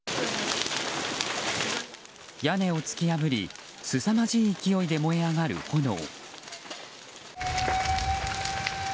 屋根を突き破りすさまじい勢いで燃え上がる炎。